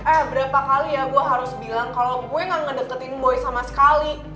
eh berapa kali ya gue harus bilang kalau gue gak ngedeketin boy sama sekali